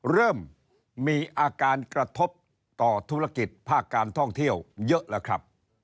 เริ่มมีอาการกระทบต่อธุรกิจภาคการท่องเที่ยวเยอะแล้วครับ